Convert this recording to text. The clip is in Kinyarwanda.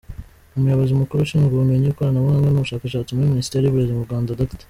Umuyobozi Mukuru Ushinzwe Ubumenyi, Ikoranabuhanga n’ubushakashatsi muri Minisiteri y’Uburezi mu Rwanda, Dr.